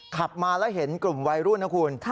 ขับมาแล้วเห็นกลุ่มวัยรุ่นนะคุณ